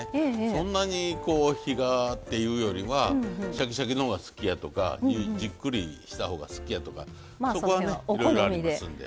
そんなに火がっていうよりはシャキシャキのほうが好きやとかじっくりしたほうが好きやとかそこはねいろいろありますんで。